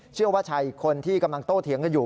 เชื่อว่าชายอีกคนที่กำลังโต้เถียงกันอยู่